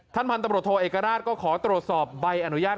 พันธุ์ตำรวจโทเอกราชก็ขอตรวจสอบใบอนุญาต